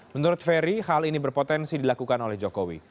menurut ferry hal ini berpotensi dilakukan oleh jokowi